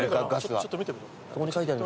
ちょっと見てくる。